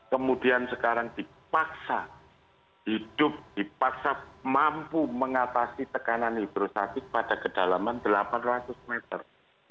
kemudian sekarang dipaksa hidup dipaksa mampu mengatasi tekanan hidrostatik pada kedalaman delapan ratus meter